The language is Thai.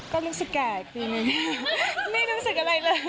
ก็รู้สึกแก่ปีนี้ไม่รู้สึกอะไรเลย